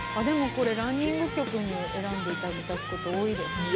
でもこれランニング曲に選んで頂くこと多いです。